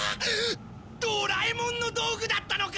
ドラえもんの道具だったのか！